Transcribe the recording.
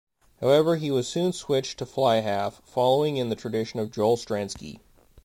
However, he was soon switched to fly-half, following in the tradition of Joel Stransky.